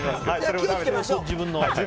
気を付けましょう。